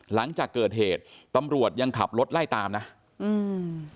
หลังจากเกิดเหตุตำรวจยังขับรถไล่ตามนะอืม